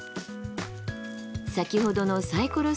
先ほどのサイコロ